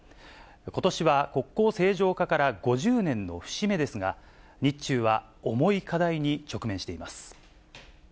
ことしは国交正常化から５０年の節目ですが、日中は重い課題に直面しています。